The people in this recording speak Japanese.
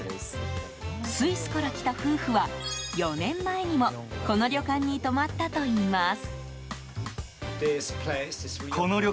スイスから来た夫婦は４年前にもこの旅館に泊まったといいます。